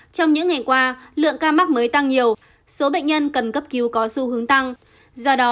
trong những ngày qua lượng ca mắc mới tăng nhiều số bệnh nhân cần cấp cứu có xu hướng tăng do đó